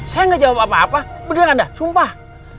saya gak jawab apa apa beneran dah sumpah